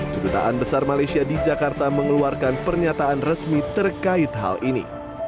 kedutaan besar malaysia di jakarta mengeluarkan pernyataan resmi terkait hal ini